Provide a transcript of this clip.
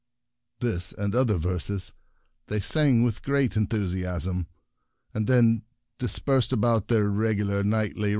This, and other verses, they sang with great enthusiasm, and then dispersed about their reg ular nightly wrongdoing.